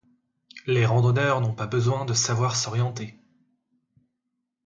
Les randonneurs n'ont pas besoin de savoir s'orienter.